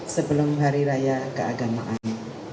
sebelum hari raya keagamaan